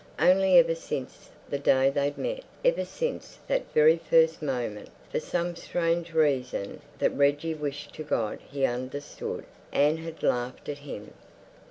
Only ever since the day they'd met, ever since that very first moment, for some strange reason that Reggie wished to God he understood, Anne had laughed at him.